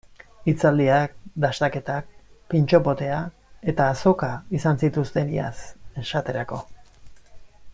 Hitzaldiak, dastaketak, pintxo potea eta azoka izan zituzten iaz, esaterako.